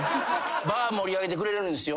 場盛り上げてくれるんですよ。